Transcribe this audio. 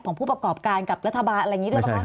ของผู้ประกอบการกับรัฐบาลอะไรอย่างนี้ด้วยหรือเปล่าครับ